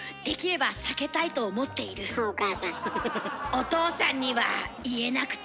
お父さんには言えなくて。